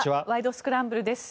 スクランブル」です。